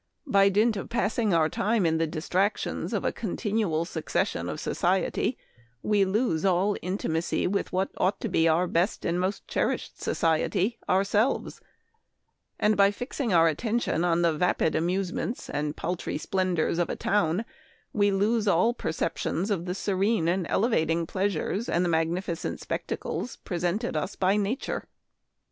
By dint of passing our time in the distractions of a continual succession of society we lose all intimacy with what ought to be our best and most cherished society — ourselves ; and by fixing our attention on the vapid amusements and pal try splendors of a town, we lose all perceptions of the serene and elevating pleasures and the magnificent spectacles presented us by Nature.